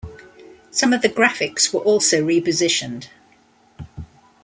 Some of the graphics were also re-positioned.